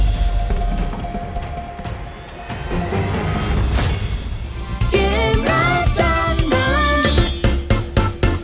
รับทราบ